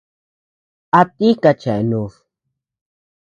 ¿A tika cheanud?